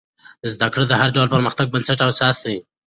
زده کړه د هر ډول پرمختګ بنسټ او اساس دی.